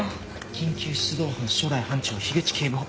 緊急出動班初代班長口警部補。